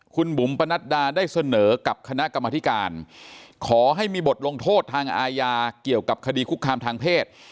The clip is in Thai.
คุณบุ๋มปนัดดาได้เสนอกับคณะกรรมธิการขอให้มีบทลงโทษทางอาญาเกี่ยวกับคดีคุกคามทางเพศ